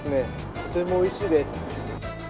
とてもおいしいです。